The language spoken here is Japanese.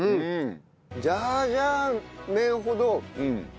ジャージャー麺ほど濃くない。